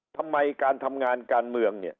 ทำไมการทำงานการเมืองเนี่ย